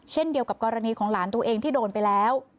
เช่นเดียวกับกรณีของหลานตัวเองที่โดนไปแล้ว